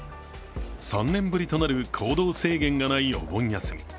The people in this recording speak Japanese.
３年ぶりとなる行動制限がないお盆休み。